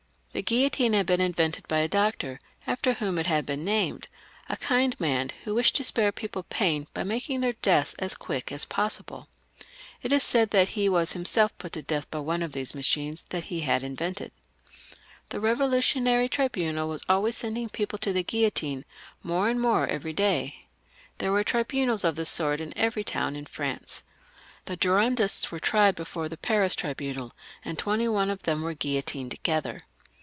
The guillotine had been invented by a doctor after whom it had been named — a kind man who wished to spare people pain by making their deaths as quick as possible. It is said that he was himself put to death by one of these machines that he had invented. The Eevolutionary Tribunal was always sending people to the guillotine, more and more every day. There were tribunals of this sort in every town in France. The Girondists were tried before the Paris tribunal, and twenty one of them were guillotined together.